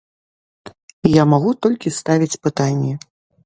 Я магу толькі ставіць пытанні.